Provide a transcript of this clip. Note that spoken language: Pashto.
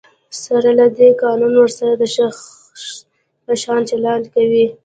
سره له دی، قانون ورسره د شخص په شان چلند کوي.